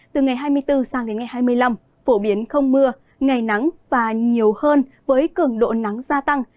từ ngày hai mươi bốn sang đến ngày hai mươi năm phổ biến không mưa ngày nắng và nhiều hơn với cường độ nắng gia tăng